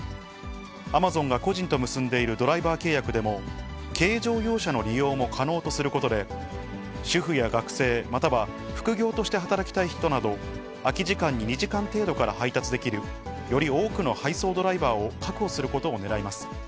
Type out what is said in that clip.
Ａｍａｚｏｎが個人と結んでいるドライバー契約でも、軽乗用車の利用も可能とすることで、主婦や学生、または副業として働きたい人など、空き時間に２時間程度から配達できる、より多くの配送ドライバーを確保することをねらいます。